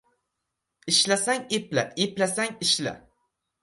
Ishlasang epla, eplasang ishla!